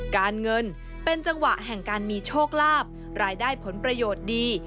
การเงินเป็นจังหวะแห่งการมีโชคลาภรายได้ผลประโยชน์ดี